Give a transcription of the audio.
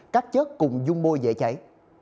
các chất cùng dung bôi dễ cháy